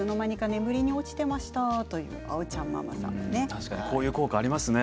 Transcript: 確かにこういう効果がありますね